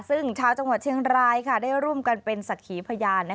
ซึ่งชาวจังหวัดเชียงรายได้ร่วมกันเป็นสักขีพยาน